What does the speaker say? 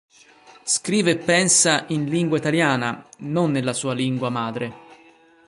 Scrive e pensa in lingua italiana, non nella sua lingua madre.